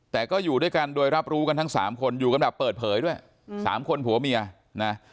แต่ก็อยู่ด้วยกันโดยรับรู้กันทั้งสามคนอยู่กันแบบเปิดเผยด้วยสามคนผัวเมียนะ